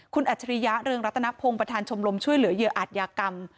คุณอัจฉริยะเรืองรัตนพงศ์ประธานชมรมช่วยเหลือเหยื่ออาจยากรรม